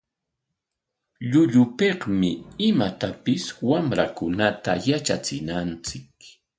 Llullupikmi imatapis wamrakunata yatrachinanchik.